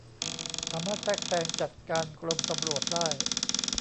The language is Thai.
สามารถแทรกแซงจัดการกรมตำรวจได้